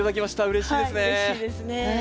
うれしいですね。